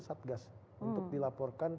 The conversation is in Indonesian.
satgas untuk dilaporkan